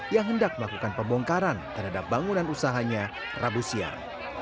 yang hendak melakukan pemongkaran terhadap bangunan usahanya rabu sian